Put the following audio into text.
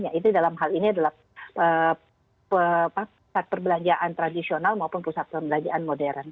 yaitu dalam hal ini adalah pusat perbelanjaan tradisional maupun pusat perbelanjaan modern